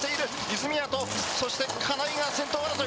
泉谷とそして金井が先頭争い。